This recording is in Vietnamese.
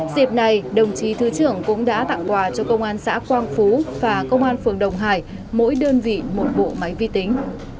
dịp này đồng chí thứ trưởng cũng đã tặng quà cho công an xã quang phú và công an phường đồng hải mỗi đơn vị một bộ máy vi tính